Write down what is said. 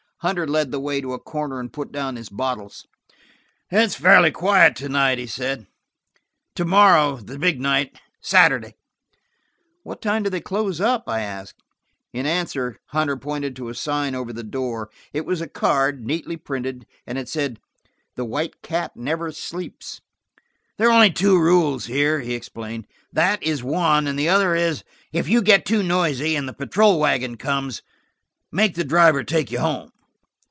Hunter led the way to a corner and put down his bottles. "It's fairly quiet to night," he said. "To morrow's the big night–Saturday." "What time do they close up?" I asked. In answer Hunter pointed to a sign over the door. It was a card, neatly printed, and it said, "The White Cat never sleeps." "There are only two rules here," he explained. "That is one, and the other is, 'If you get too noisy, and the patrol wagon comes, make the driver take you home.'"